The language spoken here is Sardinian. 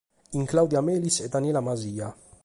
Cun Claudia Melis e Daniela Masia.